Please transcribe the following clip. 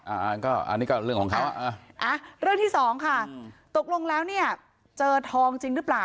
อันนี้ก็เรื่องของเขาเรื่องที่สองค่ะตกลงแล้วเนี่ยเจอทองจริงหรือเปล่า